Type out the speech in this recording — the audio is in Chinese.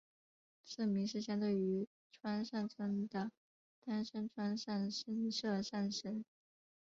社名是相对于川上村的丹生川上神社上社。